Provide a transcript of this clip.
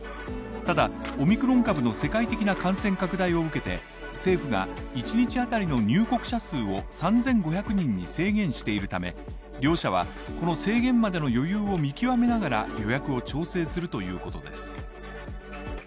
ただ、オミクロン株の世界的な感染拡大を受けて政府が１日当たりの入国者数を３５００人に制限しているため、両社はこの制限までの余裕を見極めながら予約を調整するということです。